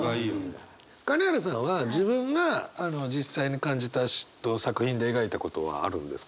金原さんは自分が実際に感じた嫉妬を作品で描いたことはあるんですか？